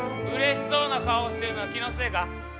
うれしそうな顔してるのは気のせいか？